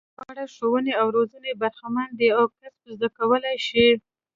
له غوره ښوونې او روزنې برخمن دي او کسب زده کولای شي.